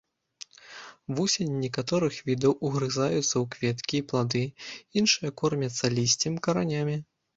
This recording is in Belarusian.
Вусені некаторых відаў угрызаюцца ў кветкі і плады, іншыя кормяцца лісцем, каранямі.